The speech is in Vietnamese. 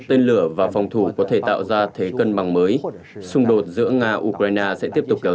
tên lửa và phòng thủ có thể tạo ra thế cân bằng mới xung đột giữa nga ukraine sẽ tiếp tục kéo